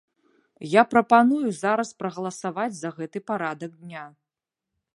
Я прапаную зараз прагаласаваць за гэты парадак дня.